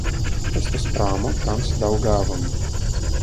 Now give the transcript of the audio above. Estas pramo trans Daŭgavon.